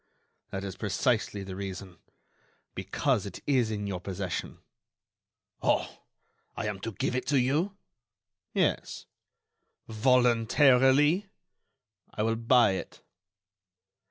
"That is precisely the reason—because it is in your possession." "Oh! I am to give it to you?" "Yes." "Voluntarily?" "I will buy it."